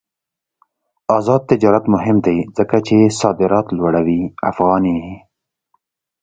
آزاد تجارت مهم دی ځکه چې صادرات لوړوي افغاني.